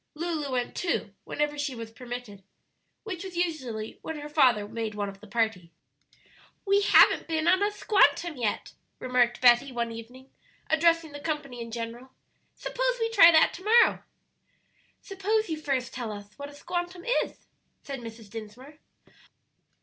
Lulu went, too, whenever she was permitted, which was usually when her father made one of the party. "We haven't been on a 'squantum' yet," remarked Betty, one evening, addressing the company in general; "suppose we try that to morrow." "Suppose you first tell us what a 'squantum' is," said Mrs. Dinsmore.